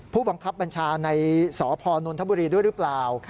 ผู้บังคับบัญชาในสพนนทบุรีด้วยหรือเปล่า